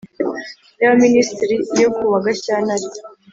y Abaminisitiri yo kuwa Gashyantare